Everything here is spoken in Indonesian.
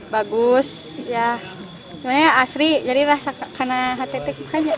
bagus asli jadi rasa karena hati hati